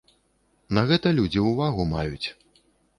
На гэта людзі ўвагу маюць.